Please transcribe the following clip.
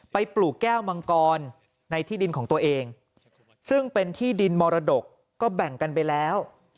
ปลูกแก้วมังกรในที่ดินของตัวเองซึ่งเป็นที่ดินมรดกก็แบ่งกันไปแล้ว